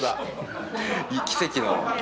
奇跡の。